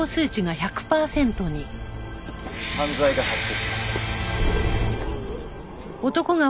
犯罪が発生しました。